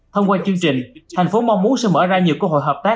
thông qua chương trình thành phố mong muốn sẽ mở ra nhiều cơ hội hợp tác